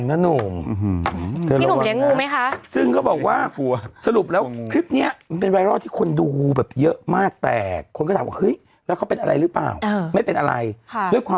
ตับเลือดเหรอหรือเปล่าหรือยังกัน